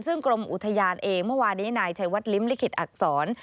ซึ่งกรมอุทยานเองเมื่อวานี้นายชัยวัดลิ้มลิขิตอักษร